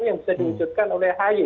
yang bisa diwujudkan oleh ahy